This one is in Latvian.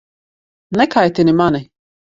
Nekaitini mani!